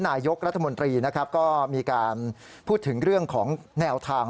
นายกรัฐมนตรีนะครับก็มีการพูดถึงเรื่องของแนวทาง